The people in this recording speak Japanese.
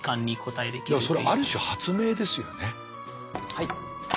はい。